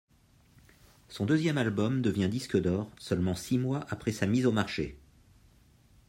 Son deuxième album devient disque d'or seulement six mois après sa mise au marché.